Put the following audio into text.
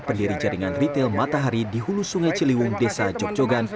pendiri jaringan retail matahari di hulu sungai ciliwung desa jogjogan